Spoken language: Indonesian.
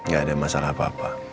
gak ada masalah apa apa